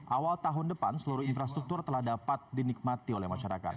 awal tahun depan seluruh infrastruktur telah dapat dinikmati oleh masyarakat